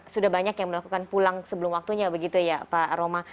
sudah banyak yang melakukan pulang sebelum waktunya begitu ya pak roma